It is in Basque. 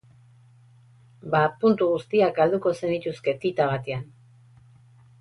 Ba puntu guztiak galduko zenituzke tita batean.